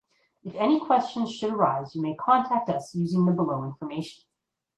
If any questions should arise you may contact us using the below information: